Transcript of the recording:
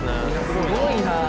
すごいなあ。